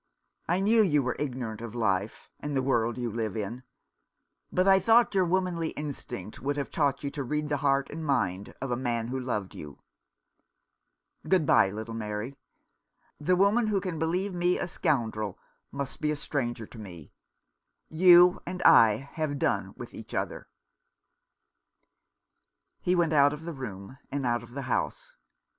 " I knew you were ignorant of life, and the world you live in ; but I thought your womanly instinct would have taught you to read the heart and mind of a man who loved you. Good bye, little Mary. The woman who can believe me a scoundrel must be a stranger to me. You and I have done with each other." He went out of the room, and out of the house.